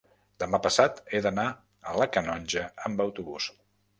demà passat he d'anar a la Canonja amb autobús.